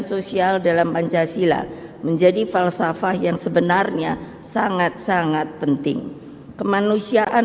sosial dalam pancasila menjadi falsafah yang sebenarnya sangat sangat penting kemanusiaan